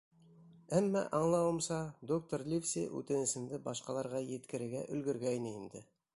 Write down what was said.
Әммә, аңлауымса, доктор Ливси үтенесемде башҡаларға еткерергә өлгөргәйне инде.